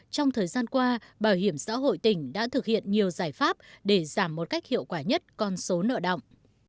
trong thời gian qua bảo hiểm xã hội tỉnh đã thực hiện nhiều giải pháp để giảm một cách hiệu quả nhất con số nợ động